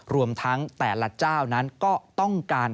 รวมทั้งแต่ละเจ้านั้นก็ต้องการ